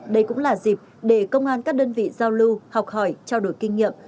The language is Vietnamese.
đây cũng là dịp để công an các đơn vị giao lưu học hỏi trao đổi kinh nghiệm